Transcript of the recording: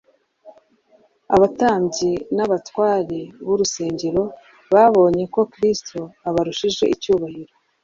Abatambyi n’abatware b’urusengero babonye ko Kristo abarushije icyubahiro.